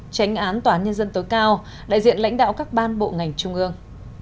tránh án tòa án nhân dân tối cao đại diện lãnh đạo các ban bộ ngành trung ương